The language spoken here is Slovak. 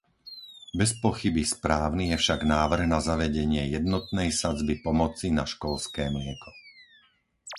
Bezpochyby správny je však návrh na zavedenie jednotnej sadzby pomoci na školské mlieko.